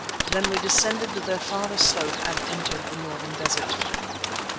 Then we descended their farther slope and entered the northern desert.